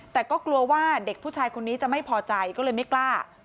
แต่ก็กลัวว่าเด็กผู้ชายคนนี้จะไม่พอใจก็เลยไม่กล้า